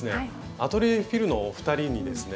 アトリエＦｉｌのお二人にですね